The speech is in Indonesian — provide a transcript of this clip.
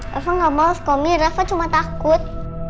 rafa gak mau skomi rafa cuma takut